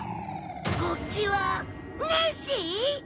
こっちはネッシー！？